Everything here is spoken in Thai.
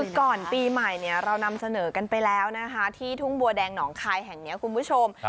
คือก่อนปีใหม่เนี่ยเรานำเสนอกันไปแล้วนะคะที่ทุ่งบัวแดงหนองคายแห่งนี้คุณผู้ชม